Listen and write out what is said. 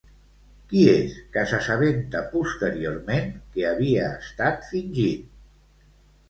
Qui és que s'assabenta posteriorment que havia estat fingint?